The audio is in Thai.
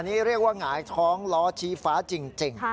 อันนี้เรียกว่าหง่ายท้องลอชีฝะจริง